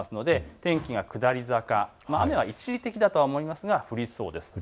天気は下り坂、雨は一時的だと思いますが降りそうです。